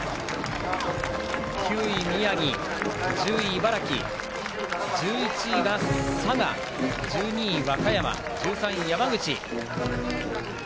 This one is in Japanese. ９位、宮城１０位、茨城１１位、佐賀１２位、和歌山１３位、山口。